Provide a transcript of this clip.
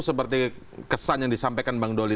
seperti kesan yang disampaikan bang doli